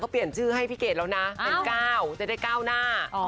เขาเปลี่ยนชื่อให้ผิเกตแล้วนะเป็นก้าวใดก้าวหน้า